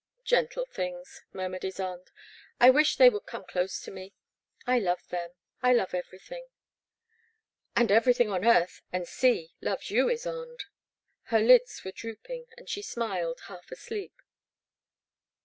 'Gentle things," murmured Ysonde, '* I wish they would come close to me; I love them — I love everything." And ever5rthing on earth and sea loves you, Ysonde." Her lids were drooping, and she smiled, half asleep.